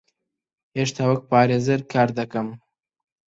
هێشتا وەک پارێزەر کار دەکەم.